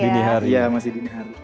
dini hari ya masih dini hari